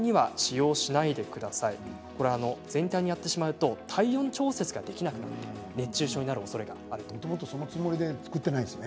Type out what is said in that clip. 全体にやってしまうと体温調節ができなくなるということで熱中症になるおそれがあるということです。